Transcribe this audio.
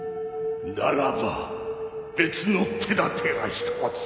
ならば別の手だてが一つ。